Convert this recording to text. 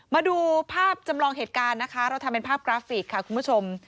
มาดูภาพจำลองเหตุการณ์นะคะเราทำเป็นภาพกราฟิกค่ะคุณผู้ชม